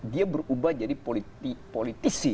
dia berubah jadi politisi